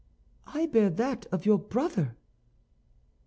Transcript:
"I bear that of your brother."